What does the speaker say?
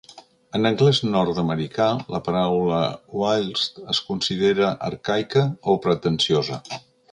En anglès nord-americà, la paraula "whilst" es considera arcaica o pretensiosa.